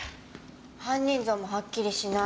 犯人像もはっきりしない。